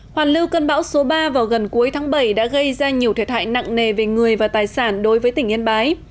hoàn lưu cơn bão số ba vào gần cuối tháng bảy đã gây ra nhiều thiệt hại nặng nề về người và tài sản đối với tỉnh yên bái